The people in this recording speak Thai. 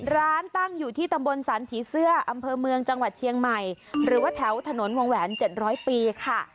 ร้านตั้งอยู่ที่ตำบลสรรผีเสื้ออำเภอเมืองจังหวัดเชียงใหม่หรือว่าแถวถนนวงแหวน๗๐๐ปีค่ะ